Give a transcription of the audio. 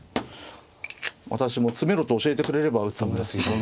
私も詰めろと教えてくれれば打つんですけどね。